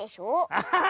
アッハハ！